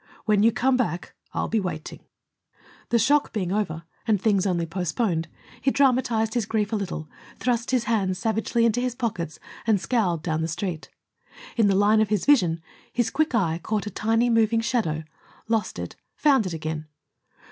"When you come back, I'll be waiting." The shock being over, and things only postponed, he dramatized his grief a trifle, thrust his hands savagely into his pockets, and scowled down the Street. In the line of his vision, his quick eye caught a tiny moving shadow, lost it, found it again.